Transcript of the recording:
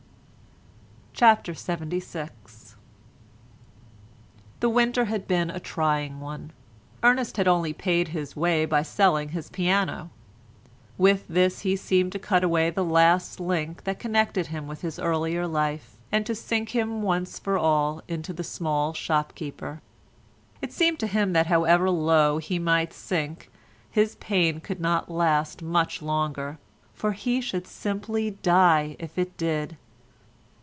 CHAPTER LXXVI The winter had been a trying one. Ernest had only paid his way by selling his piano. With this he seemed to cut away the last link that connected him with his earlier life, and to sink once for all into the small shop keeper. It seemed to him that however low he might sink his pain could not last much longer, for he should simply die if it did.